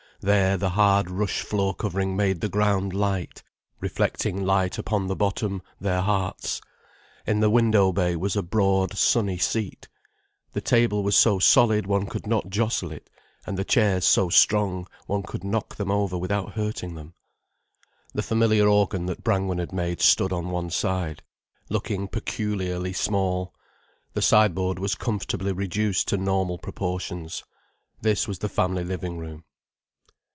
There the hard rush floor covering made the ground light, reflecting light upon the bottom of their hearts; in the window bay was a broad, sunny seat, the table was so solid one could not jostle it, and the chairs so strong one could knock them over without hurting them. The familiar organ that Brangwen had made stood on one side, looking peculiarly small, the sideboard was comfortably reduced to normal proportions. This was the family living room.